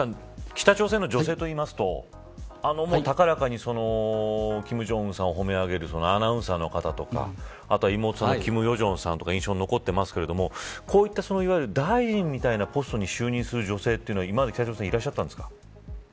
北朝鮮の女性といいますと高らかに金正恩さんを褒め上げるアナウンサーの方とか妹さんの金与正さんが印象に残っていますがいわゆる大臣みたいなポストに就任する女性は今まで北朝鮮にいらっしゃったん